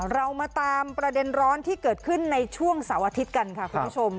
เรามาตามประเด็นร้อนที่เกิดขึ้นในช่วงเสาร์อาทิตย์กันค่ะคุณผู้ชม